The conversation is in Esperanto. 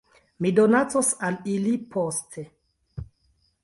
Mi donacos al ili poste